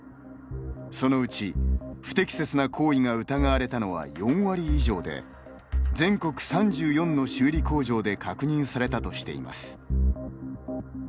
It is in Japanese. そのうち不適切な行為が疑われたのは４割以上で全国３４の修理工場で確認されたとしています。